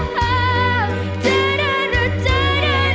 แน่แน่รู้เหรอแน่แน่รู้เหรอ